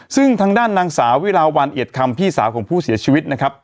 ซึ่งทางด้านนางสาวิลาวันเอียดคำพี่สาวของผู้เสียชีวิตนะครับ